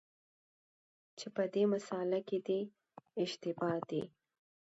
چي په دې مسأله کي دی اشتباه دی،